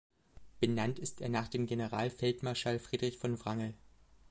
Benannt ist er nach dem Generalfeldmarschall Friedrich von Wrangel.